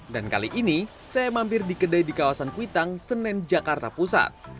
dan kali ini saya mampir di kedai di kawasan kuitang senen jakarta pusat